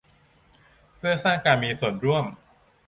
เพื่อสร้างการมีส่วนร่วม